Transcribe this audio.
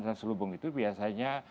terselubung itu biasanya